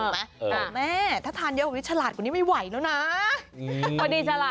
ผมบอกแม่ถ้าทานเยอะกว่านี้ฉลาดกว่านี้ไม่ไหวแล้วนะ